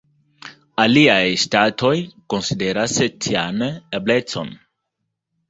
Aliaj ŝtatoj konsideras tian eblecon.